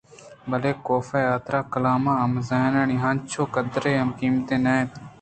بلئے کاف ءِحاترا کلام ءِ اےمزنی ءِ انچو قدرءُقیمت نہ اَت